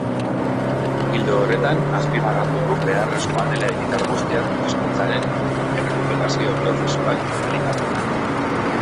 Ildo horretan, azpimarratu du beharrezkoa dela hiritar guztiak hizkuntzaren errekuperazio prozesuan inplikatzea.